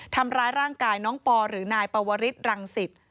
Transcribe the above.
ทำร้ายร่างกายน้องปอหรือนายปวริสรังสิต